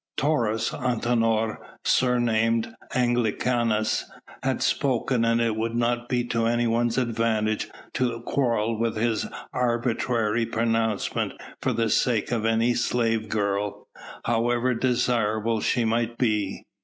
Taurus Antinor, surnamed Anglicanus, had spoken and it would not be to anyone's advantage to quarrel with his arbitrary pronouncement for the sake of any slave girl, however desirable she might be.